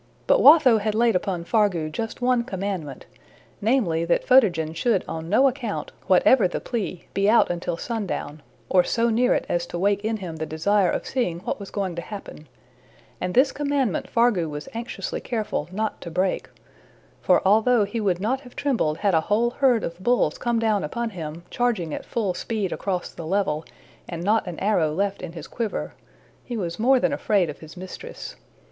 But Watho had laid upon Fargu just one commandment, namely, that Photogen should on no account, whatever the plea, be out until sundown, or so near it as to wake in him the desire of seeing what was going to happen; and this commandment Fargu was anxiously careful not to break; for although he would not have trembled had a whole herd of bulls come down upon him, charging at full speed across the level, and not an arrow left in his quiver, he was more than afraid of his mistress.